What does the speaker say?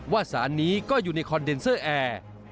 สารนี้ก็อยู่ในคอนเดนเซอร์แอร์